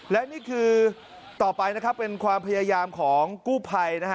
และนี่คือต่อไปเป็นความพยายามของกู้ภัย